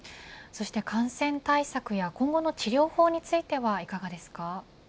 感染対策や今後の治療法についてはいかがですか。